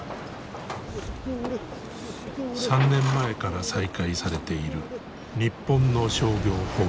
３年前から再開されている日本の商業捕鯨。